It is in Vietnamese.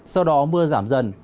sau đó mưa giảm dần